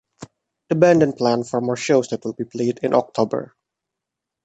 The band then planned for more shows that would be played in October.